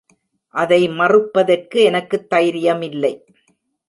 அதை மறுப்பதற்கு எனக்கு தைரியமில்லை.